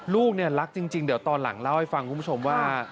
ลูกเนี่ยรักจริงเดี๋ยวตอนหลังเล่าให้ฟังคุณผู้ชมว่า